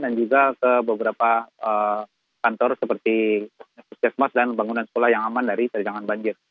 dan juga ke beberapa kantor seperti puskesmas dan bangunan sekolah yang aman dari terjangan banjir